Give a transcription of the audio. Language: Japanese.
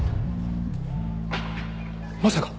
まさか！